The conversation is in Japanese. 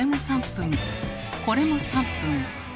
これも３分。